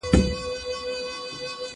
هغه څوک چي درسونه لوستل کوي پوهه زياتوي؟!